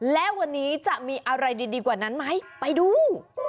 และวันนี้จะมีอะไรดีกว่านั้นไหมไปดู